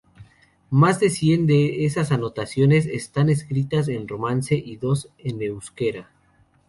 Más de cien de esas anotaciones están escritas en romance y dos en euskera.